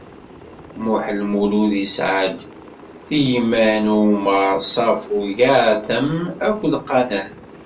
Muḥ Lmulud isɛa-d: Tiyman, Umar, Ṣafu, Gaɛatam akked Qanaz.